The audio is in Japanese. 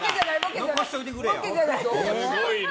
すごいな。